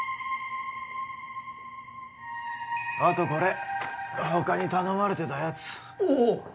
あとこれ他に頼まれてたやつおぉ！